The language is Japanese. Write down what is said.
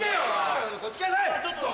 こっち来なさい！